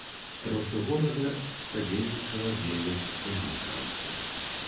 Росту горада садзейнічала дзейнасць дамініканцаў.